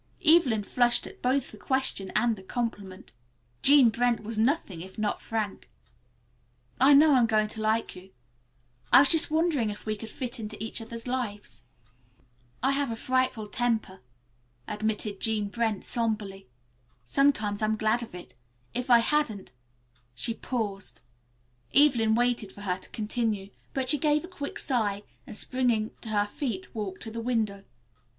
Evelyn flushed at both the question and the compliment. Jean Brent was nothing if not frank. "I know I'm going to like you. I was just wondering if we would fit into each other's lives." "I have a frightful temper," admitted Jean Brent somberly. "Sometimes I'm glad of it. If I hadn't " She paused. Evelyn waited for her to continue, but she gave a quick sigh, and, springing to her feet, walked to the window.